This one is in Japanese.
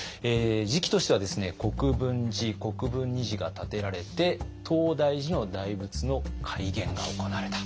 時期としては国分寺・国分尼寺が建てられて東大寺の大仏の開眼が行われた。